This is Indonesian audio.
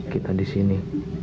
kita di sini